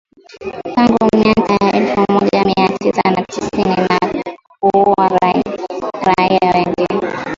tangu miaka ya elfu moja mia tisa na tisini na kuua raia wengi